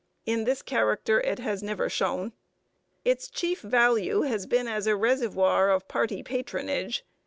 In this character it has never shone. Its chief value has been as a reservoir of party patronage.